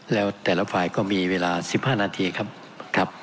แล้วแต่ละฝ่ายก็มีเวลา๑๕นาทีครับ